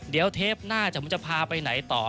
เดี๋ยวเทปหน้าผมจะพาไปไหนต่อ